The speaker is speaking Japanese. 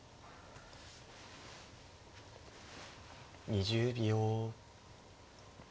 ２０秒。